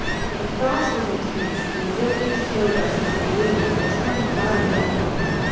The frost was intense, and drifting snow dust made breathing at times rather difficult.